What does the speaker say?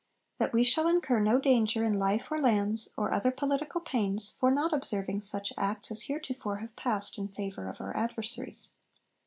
'That we shall incur no danger in life or lands, or other political pains, for not observing such Acts as heretofore have passed in favour of our adversaries.'